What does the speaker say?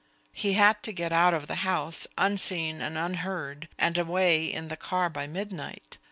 _He had to get out of the house, unseen and unheard, and away in the car by midnight.